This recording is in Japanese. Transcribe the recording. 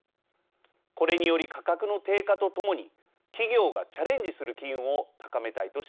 これにより価格の低下とともに企業がチャレンジする機運を高めたいとしています。